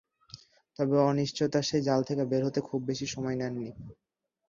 তবে অনিশ্চয়তার সেই জাল থেকে বের হতে খুব বেশি সময় নেননি।